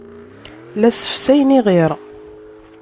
La ssefsayen iɣir.